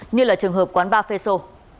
như là trường hợp quán ba phê sô